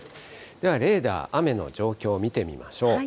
ではレーダー、雨の状況見てみましょう。